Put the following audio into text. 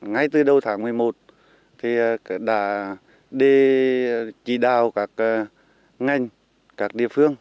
ngay từ đầu tháng một mươi một đã chỉ đào các ngành các địa phương